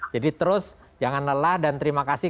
jadi terus jangan lelah dan terima kasih